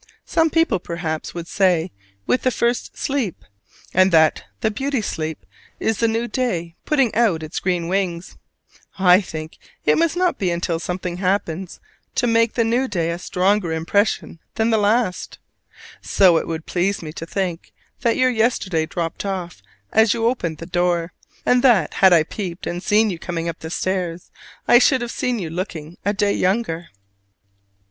Some people, perhaps, would say with the first sleep; and that the "beauty sleep" is the new day putting out its green wings. I think it must be not till something happens to make the new day a stronger impression than the last. So it would please me to think that your yesterday dropped off as you opened the door; and that, had I peeped and seen you coming up the stairs, I should have seen you looking a day younger.